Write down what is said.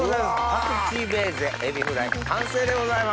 パクチーベーゼエビフライ完成でございます。